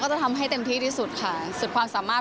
จะทำให้เต็มที่ที่สุดค่ะสุดความสามารถ